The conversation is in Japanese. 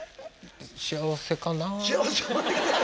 幸せかな。